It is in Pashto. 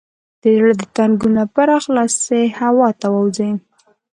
د زړه د تنګي لپاره خلاصې هوا ته ووځئ